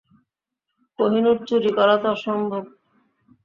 কোহিনূর চুরি করা তো অসম্ভব।